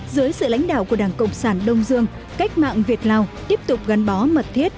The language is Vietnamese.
dưới sự lãnh đạo của đảng cộng sản đông dương cách mạng việt lào tiếp tục gắn bó mật thiết